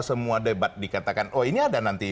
semua debat dikatakan oh ini ada nanti